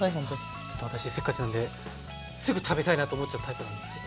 ちょっと私せっかちなんですぐ食べたいなと思っちゃうタイプなんですけど。